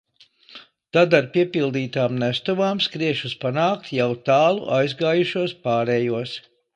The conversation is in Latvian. Tad ar piepildītām nestuvām skriešus panākt jau tālu aizgājušos pārējos.